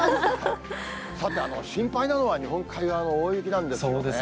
さて、心配なのは日本海側の大雪なんですよね。